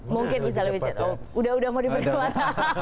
mungkin bisa lebih cepat udah mau diberitakan